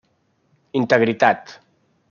Integritat: